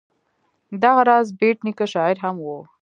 دغه راز بېټ نیکه شاعر هم و.